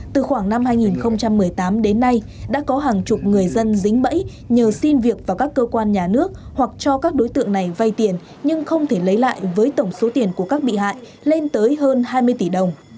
từ khoảng năm hai nghìn một mươi tám đến nay đã có hàng chục người dân dính bẫy nhờ xin việc vào các cơ quan nhà nước hoặc cho các đối tượng này vay tiền nhưng không thể lấy lại với tổng số tiền của các bị hại lên tới hơn hai mươi tỷ đồng